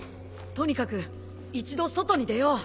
とにかく一度外に出よう。